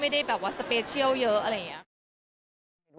ไม่ได้แบบว่าสเปเชียลเยอะอะไรอย่างนี้ค่ะ